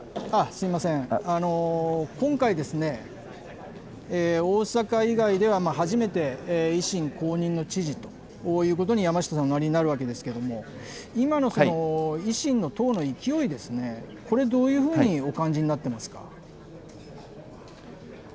すみません、今回、大阪以外では初めて、維新公認の知事ということに、山下さん、おなりになるわけですけれども、今の維新の党の勢いですね、これ、どういうふうにお感じになってますか。